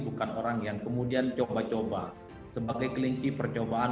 bukan orang yang kemudian coba coba sebagai kelinci percobaan